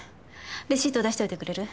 レシートを出しておいてくれる？